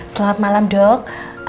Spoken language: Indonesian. selamat malam dok